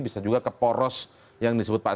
bisa juga ke poros yang disebutkan itu